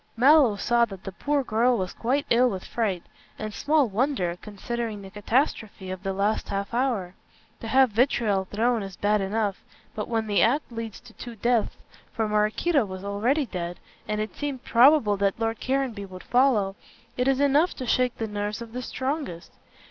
Mallow saw that the poor girl was quite ill with fright; and small wonder, considering the catastrophe of the last half hour. To have vitriol thrown is bad enough, but when the act leads to two deaths for Maraquito was already dead, and it seemed probable that Lord Caranby would follow it is enough to shake the nerves of the strongest.